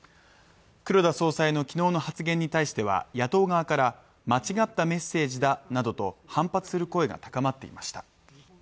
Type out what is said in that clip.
黒田総裁の昨日の発言に対しては野党側から、間違ったメッセージだなどと反発する声が高まっていました。